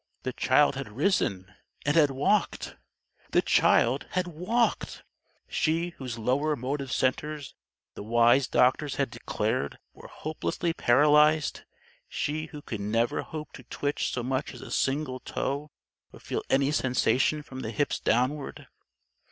The child had risen and had walked. The child had walked! she whose lower motive centers, the wise doctors had declared, were hopelessly paralyzed she who could never hope to twitch so much as a single toe or feel any sensation from the hips downward!